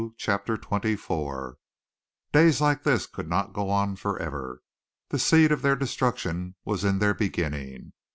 CHAPTER XXIV Days like this could not go on forever. The seed of their destruction was in their beginning.